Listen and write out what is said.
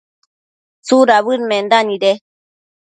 ¿tsudabëd menda nide ?